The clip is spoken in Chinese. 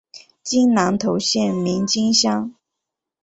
今南投县名间乡。